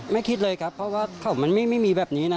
คิดเลยครับเพราะว่าเขามันไม่มีแบบนี้นะ